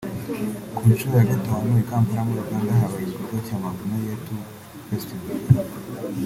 Ku nshuro ya Gatanu i Kampala muri Uganda habaye igikorwa cya Mavuno Yetu Festival